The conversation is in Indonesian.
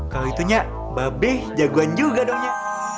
kalau gitunya babe jagoan juga dong nya